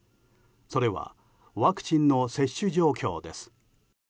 それはワクチンの接種状況です。